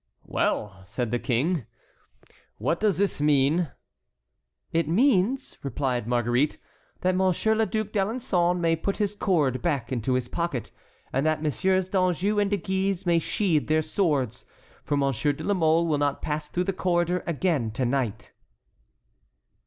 "Well!" said the King, "what does this mean?" "It means," replied Marguerite, "that Monsieur le Duc d'Alençon may put his cord back into his pocket, and that Messieurs d'Anjou and de Guise may sheathe their swords, for Monsieur de la Mole will not pass through the corridor again to night."